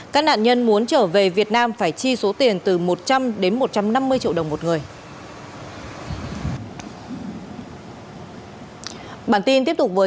các nạn nhân muốn trở về việt nam phải chi số tiền từ một trăm linh đến một trăm năm mươi triệu đồng một người